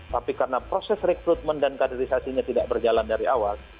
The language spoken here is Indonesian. tapi karena proses rekrutmen dan kaderisasinya tidak berjalan dari awal